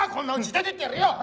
出ていってやる。